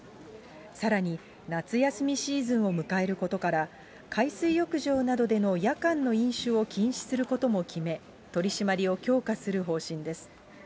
さらに夏休みシーズンを迎えることから、海水浴場などでの夜間の飲酒を禁止することも決め、取締りを強化する方針です。